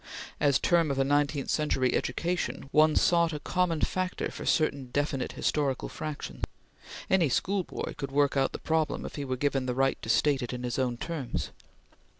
As term of a nineteenth century education, one sought a common factor for certain definite historical fractions. Any schoolboy could work out the problem if he were given the right to state it in his own terms.